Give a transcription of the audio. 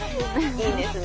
いいですね。